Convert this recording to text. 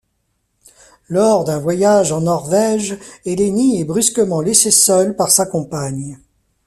Lors d'un voyage en Norvège, Eleni est brusquement laissé seul par sa compagne.